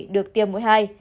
được tiêm mỗi hai